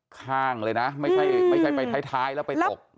ข้างเลยนะไม่ใช่ไปท้ายแล้วไปตก